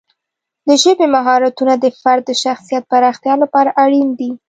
د ژبې مهارتونه د فرد د شخصیت پراختیا لپاره اړین دي.